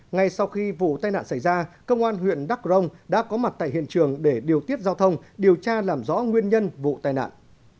ngay sau khi vụ tai nạn xảy ra công an huyện đắk rông đã có mặt tại hiện trường để điều tiết giao thông điều tra làm rõ nguyên nhân vụ tai nạn